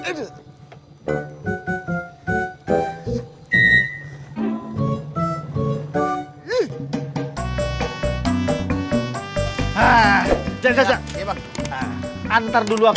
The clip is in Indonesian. udah bang jalan